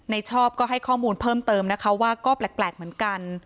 ชอบก็ให้ข้อมูลเพิ่มเติมนะคะว่าก็แปลกเหมือนกัน